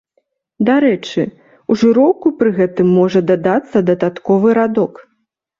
Дарэчы, у жыроўку пры гэтым можа дадацца дадатковы радок.